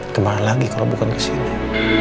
kemarin lagi kalau bukan kesini